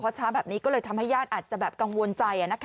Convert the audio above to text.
ช้าแบบนี้ก็เลยทำให้ญาติอาจจะแบบกังวลใจ